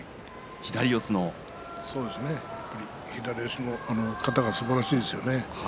左四つの型がすばらしいですね。